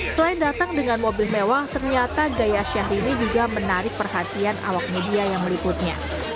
selain datang dengan mobil mewah ternyata gaya syahrini juga menarik perhatian awak media yang meliputnya